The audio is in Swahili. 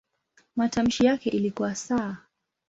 Matamshi yake ilikuwa "s".